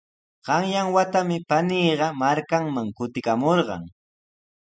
Qanyan watami paniiqa markanman kutikamurqan.